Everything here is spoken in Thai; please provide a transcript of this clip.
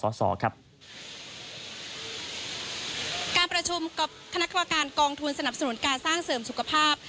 การประชุมกับคณะกรรมการกองทุนสนับสนุนการสร้างเสริมสุขภาพ